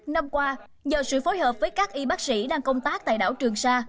năm qua nhờ sự phối hợp với các y bác sĩ đang công tác tại đảo trường sa